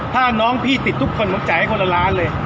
ถ้าน้องแพะตกลัวนี้ต้องจ่ายคนละล้านเลย